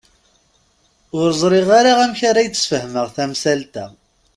Ur ẓriɣ ara amek ara ak-d-sfehmeɣ tamsalt-a.